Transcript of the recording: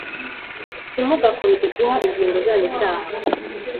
Ntimugakomeze guha ingingo zanyu icyaha